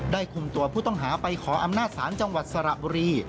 คุมตัวผู้ต้องหาไปขออำนาจศาลจังหวัดสระบุรี